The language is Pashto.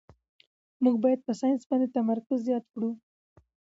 موږ باید په ساینس باندې تمرکز زیات کړو